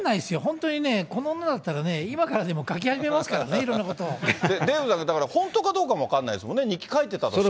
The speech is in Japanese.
本当にね、この女だったらね、今からでも書き始めますからね、いろんなことデーブさん、だから本当かどうかも分かんないですもんね、日記書いてたとしても。